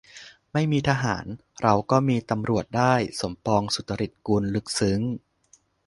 "ไม่มีทหาร เราก็มีตำรวจได้" - สมปอง สุจริตกุล ลึกซึ้ง